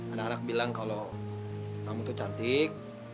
anak anak bilang kalau kamu tuh cantik